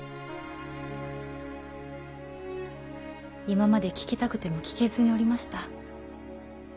今まで聞きたくても聞けずにおりました。